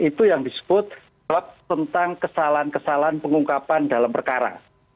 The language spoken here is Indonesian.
itu yang disebut tentang kesalahan kesalahan pengungkapan dalam perkara